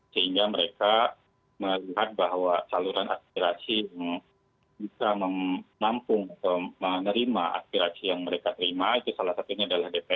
sehingga mereka melihat bahwa saluran aspirasi yang bisa mampu menerima aspirasi yang mereka terima itu salah satunya adalah dpr